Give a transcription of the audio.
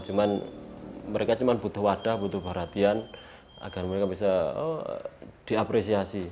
cuma mereka cuma butuh wadah butuh perhatian agar mereka bisa diapresiasi